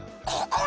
ここ！